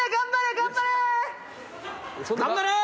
頑張れー！